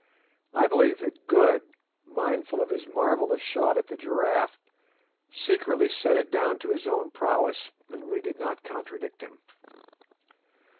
I believe that Good, mindful of his marvellous shot at the giraffe, secretly set it down to his own prowess, and we did not contradict him.